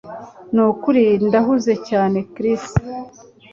Nukuri ndahuze cyane Chris